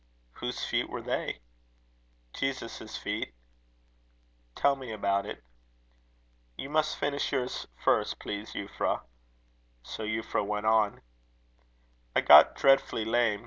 "Whose feet were they?" "Jesus' feet." "Tell me about it." "You must finish yours first, please, Euphra." So Euphra went on: "I got dreadfully lame.